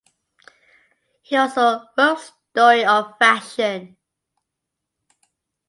He also wrote story of Fashion.